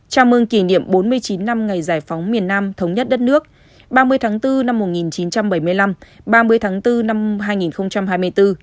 chào mừng kỷ niệm bốn mươi chín năm ngày giải phóng miền nam thống nhất đất nước ba mươi tháng bốn năm một nghìn chín trăm bảy mươi năm ba mươi tháng bốn năm hai nghìn hai mươi bốn